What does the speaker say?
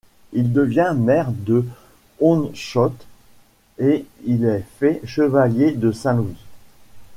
Il devient maire de Hondschoote, et il est fait chevalier de Saint-Louis.